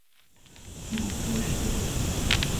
母祝氏。